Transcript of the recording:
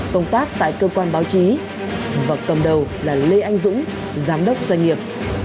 công tác tại cơ quan báo chí và cầm đầu là lê anh dũng giám đốc doanh nghiệp